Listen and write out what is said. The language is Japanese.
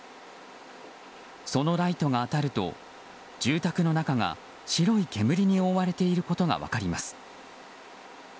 そのライトが当たると住宅の中が白い煙に覆われていることが分かります。